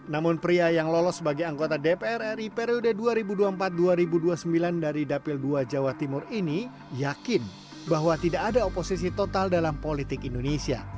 namun pria yang lolos sebagai anggota dpr ri periode dua ribu dua puluh empat dua ribu dua puluh sembilan dari dapil dua jawa timur ini yakin bahwa tidak ada oposisi total dalam politik indonesia